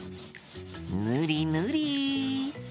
ぬりぬり。